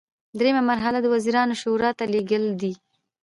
دریمه مرحله د وزیرانو شورا ته لیږل دي.